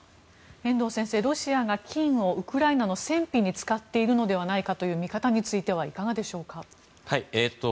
遠藤先生、ロシアが金をウクライナの戦費に使っているのではないかという見方についてはいかがでしょうか？